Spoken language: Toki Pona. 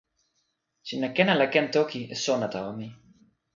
sina ken ala ken toki e sona tawa mi?